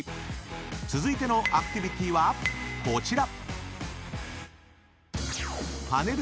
［続いてのアクティビティはこちら］